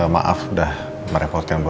maaf udah merepotkan